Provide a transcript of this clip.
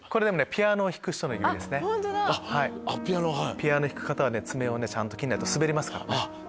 ピアノ弾く方は爪を切んないと滑りますからね。